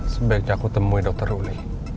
sebaiknya aku temui dokter ruli